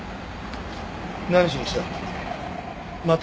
何しに来た？